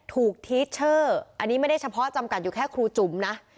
ทีเชอร์อันนี้ไม่ได้เฉพาะจำกัดอยู่แค่ครูจุ๋มนะ